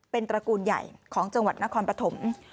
เป็นตระกูลใหญ่ของจังหวัดนครปฐม